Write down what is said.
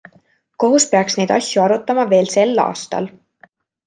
Kohus peaks neid asju arutama veel sel aastal.